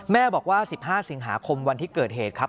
แม่บอกว่า๑๕สิงหาคมวันที่เกิดเหตุครับ